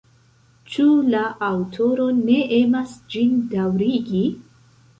Ĉu la aŭtoro ne emas ĝin daŭrigi?